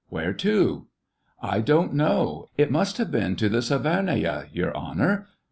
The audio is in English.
"Whereto.?" " I don't know ; it must have been to the Sivernaya, Your Honor